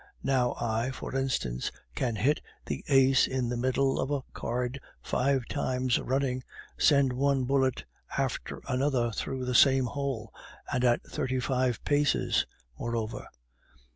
Now I, for instance, can hit the ace in the middle of a card five times running, send one bullet after another through the same hole, and at thirty five paces, moreover!